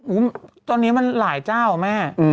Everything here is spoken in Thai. อื้อตอนนี้มันหลายเจ้าแม่